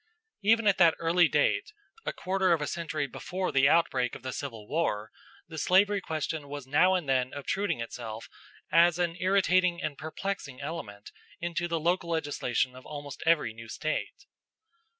Even at that early date, a quarter of a century before the outbreak of the Civil War, the slavery question was now and then obtruding itself as an irritating and perplexing element into the local legislation of almost every new State.